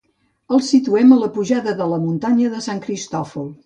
El situem a la pujada de la muntanya de Sant Cristòfol.